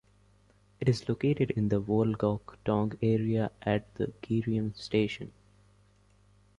It is located in the Wolgok-dong area at Gireum Station.